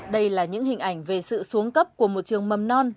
đây là những hình ảnh về sự xuống cấp của một trường mầm non